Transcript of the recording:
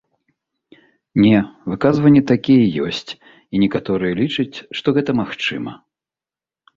Не, выказванні такія ёсць і некаторыя лічаць, што гэта магчыма.